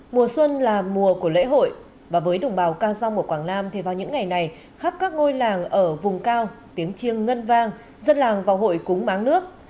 mùa xuân là mùa của lễ hội và với đồng bào ca rong ở quảng nam thì vào những ngày này khắp các ngôi làng ở vùng cao tiếng chiêng ngân vang dân làng vào hội cúng máng nước